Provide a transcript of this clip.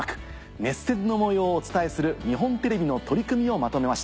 熱戦の模様をお伝えする日本テレビの取り組みをまとめました。